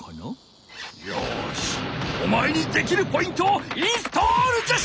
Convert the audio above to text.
よしおまえにできるポイントをインストールじゃ！